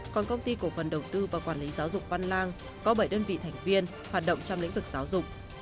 còn công ty cổ phần đầu tư và quản lý giáo dục văn lang có bảy đơn vị thành viên hoạt động trong lĩnh vực giáo dục